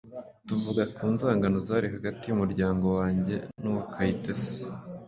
tuvuga ku nzangano zari hagati y’umuryango wange n’uwa Kayitesi.